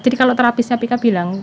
jadi kalau terapi saya pika bilang